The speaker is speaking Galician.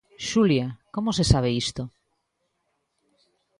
Xulia, como se sabe isto?